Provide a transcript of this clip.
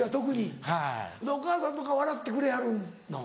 お母さんとか笑ってくれはるの？